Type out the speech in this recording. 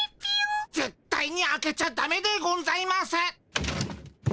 絶対に開けちゃダメでゴンざいます。